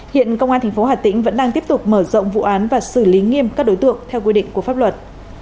hiện công an tp hà tĩnh vẫn đang tiếp tục mở rộng vụ án và xử lý nghiêm các đối tượng theo quy định của pháp luật